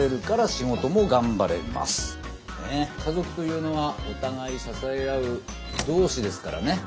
家族というのはお互い支え合う同志ですからね。